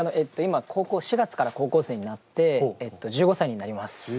今４月から高校生になって１５歳になります。